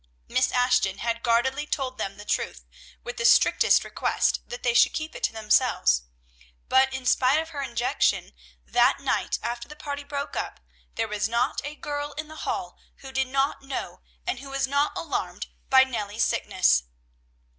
Miss Ashton had guardedly told them the truth, with the strictest request that they should keep it to themselves; but, in spite of her injunction, that night after the party broke up, there was not a girl in the hall who did not know and who was not alarmed by Nellie's sickness.